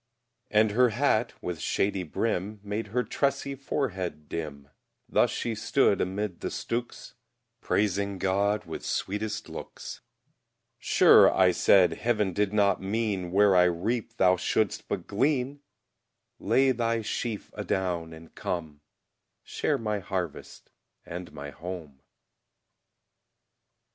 And her hat, with shady brim, Made her tressy forehead dim; Thus she stood amid the stooks, Praising God with sweetest looks: Sure, I said, Heav'n did not mean, Where I reap, thou shouldst but glean; Lay thy sheaf adown and come, Share my harvest and my home.